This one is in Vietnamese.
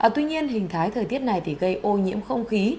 tuy nhiên hình thái thời tiết này thì gây ô nhiễm không khí